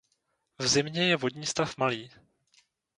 V zimě je vodní stav malý.